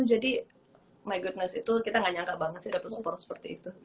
jadi my goodness itu kita gak nyangka banget sih dapet support seperti itu gitu